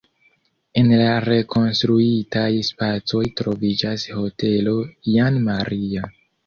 En la rekonstruitaj spacoj troviĝas hotelo Jan Maria.